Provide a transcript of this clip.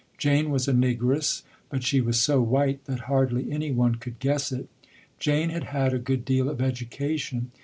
Jane was a negress, but she was so white that hardly any one could guess it. Jane had had a good deal of education.